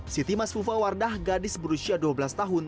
siti masufa wardah gadis berusia dua belas tahun